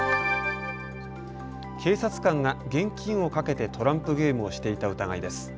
警察官が現金を賭けてトランプゲームをしていた疑いです。